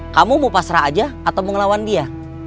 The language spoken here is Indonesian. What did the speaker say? kamu mau pasrah aja atau mau ngelawan dia